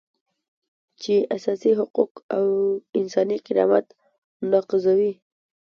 چې اساسي حقوق او انساني کرامت نقضوي.